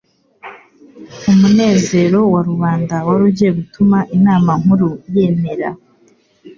Umunezero wa rubanda wari ugiye gutuma inama nkuru yemera